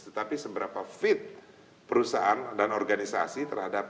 tetapi seberapa fit perusahaan dan organisasi terhadap